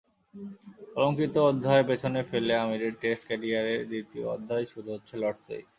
কলঙ্কিত অধ্যায় পেছনে ফেলে আমিরের টেস্ট ক্যারিয়ারের দ্বিতীয় অধ্যায় শুরু হচ্ছে লর্ডসেই।